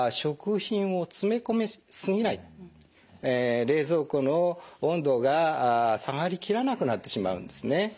ポイントは冷蔵庫の温度が下がり切らなくなってしまうんですね。